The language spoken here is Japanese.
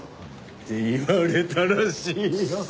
って言われたらしいよ。